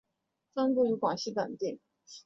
分布于广西等地。